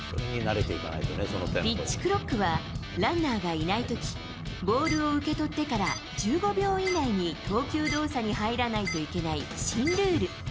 ピッチクロックは、ランナーがいないとき、ボールを受け取ってから１５秒以内に投球動作に入らないといけない新ルール。